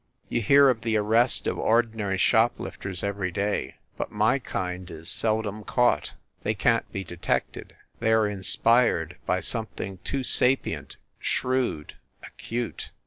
You hear of the arrest of ordinary shoplifters every day, but my kind is seldom caught. They can t be detected. They are inspired by something too sapient, shrewd, acute.